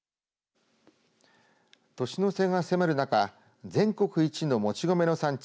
年の瀬が迫る中全国一のもち米の産地